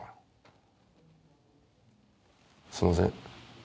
すいません。